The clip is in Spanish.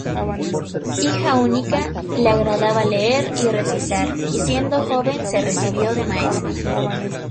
Hija única, le agradaba leer y recitar, y siendo joven, se recibió de maestra.